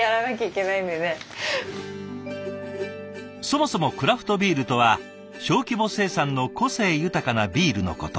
そもそもクラフトビールとは小規模生産の個性豊かなビールのこと。